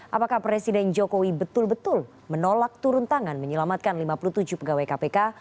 apakah presiden jokowi betul betul menolak turun tangan menyelamatkan lima puluh tujuh pegawai kpk